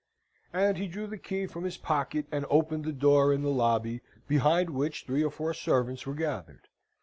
And he drew the key from his pocket and opened the door in the lobby, behind which three or four servants were gathered.